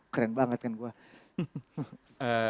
keren banget kan saya